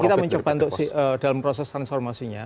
kita mencoba untuk dalam proses transformasinya